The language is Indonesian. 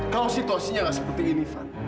kalau situasinya gak seperti ini van